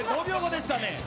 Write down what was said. ５秒後でしたね